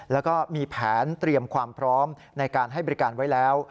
แล้วก็มีแผนเตรียมความพร้อมในการให้บริการไว้แล้ว